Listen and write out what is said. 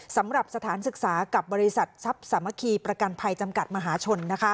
สำหรับสถานศึกษากับบริษัททรัพย์สามัคคีประกันภัยจำกัดมหาชน